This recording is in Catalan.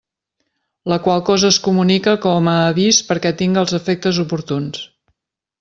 La qual cosa es comunica com a avis perquè tinga els efectes oportuns.